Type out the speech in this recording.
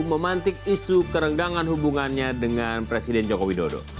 memantik isu kerenggangan hubungannya dengan presiden jokowi dodo